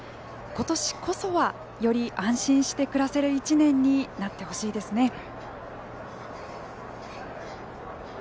ことしこそはより安心して暮らせる一年になってほしいですね。